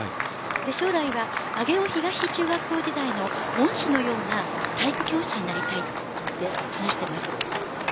将来は上尾東中学校時代の恩師のような体育教師になりたいと話しています。